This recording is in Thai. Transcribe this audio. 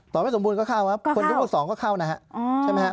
ต่อให้ไม่สมบูรณ์ก็เข้าครับคนจำพวก๒ก็เข้านะครับใช่ไหมครับก็เข้า